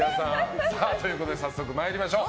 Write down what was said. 早速参りましょう。